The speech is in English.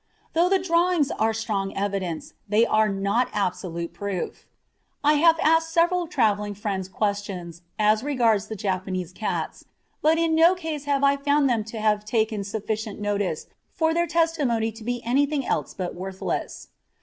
Though the drawings are strong evidence, they are not absolute proof. I have asked several travelling friends questions as regards the Japanese cats, but in no case have I found them to have taken sufficient notice for their testimony to be anything else than worthless.